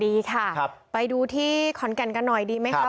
ดีค่ะไปดูที่ขอนแก่นกันหน่อยดีไหมครับ